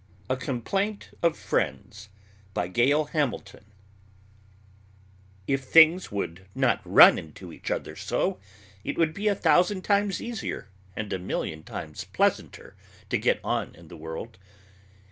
A COMPLAINT OF FRIENDS BY GAIL HAMILTON If things would not run into each other so, it would be a thousand times easier and a million times pleasanter to get on in the world.